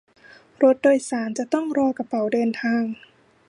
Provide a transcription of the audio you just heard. รถโดยสารจะต้องรอกระเป๋าเดินทาง